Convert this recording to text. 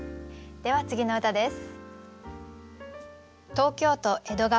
では次の歌です。